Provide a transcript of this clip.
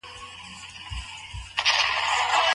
نکاح يو سپېڅلی تړون دی چي بايد درناوی يې وسي.